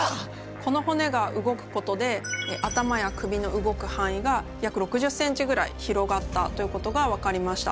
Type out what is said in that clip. この骨が動くことで頭や首の動く範囲が約６０ｃｍぐらい広がったということが分かりました。